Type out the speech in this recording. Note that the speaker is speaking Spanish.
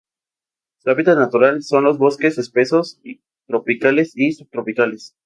Su hábitat natural son los bosques espesos tropicales y subtropicales.